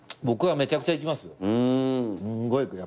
僕はめちゃくちゃ行きますよ。